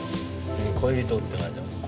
「恋人」って書いてますね。